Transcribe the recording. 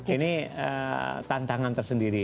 ini tantangan tersendiri